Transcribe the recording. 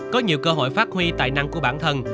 có nhiều cơ hội phát huy tài năng của bản thân